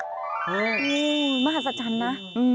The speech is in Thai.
อืมมหัศจรรย์นะ